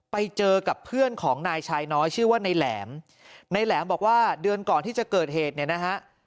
ไปเจอกับเพื่อนของนายชายน้อยชื่อว่านายแหลมในแหลมบอกว่าเดือนก่อนที่จะเกิดเหตุเนี่ยนะฮะ